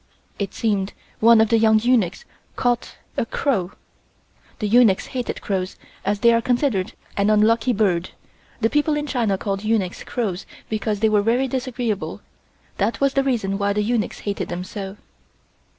It seemed one of the young eunuchs caught a crow. (The eunuchs hated crows, as they are considered an unlucky bird. The people in China called eunuchs crows because they were very disagreeable. That was the reason why the eunuchs hated them so.)